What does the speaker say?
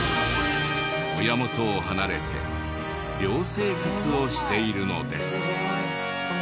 親元を離れて寮生活をしているのです。